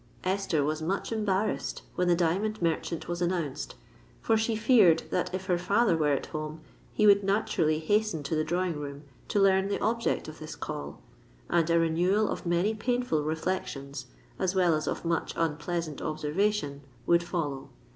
Esther was much embarrassed when the diamond merchant was announced; for she feared that if her father were at home, he would naturally hasten to the drawing room to learn the object of this call, and a renewal of many painful reflections, as well as of much unpleasant observation, would follow.